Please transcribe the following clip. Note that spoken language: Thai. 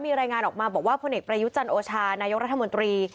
มีรายงานออกมาบอกว่าพลเอกประยุจันโอชานายกรัฐมนตรี